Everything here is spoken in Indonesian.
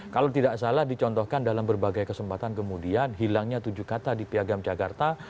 kalau tidak salah dicontohkan dalam berbagai kesempatan kemudian hilangnya tujuh kata di piagam jakarta